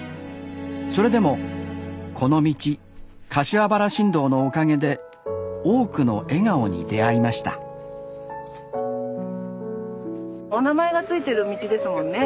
それでもこの道柏原新道のおかげで多くの笑顔に出会いましたお名前が付いてる道ですもんね。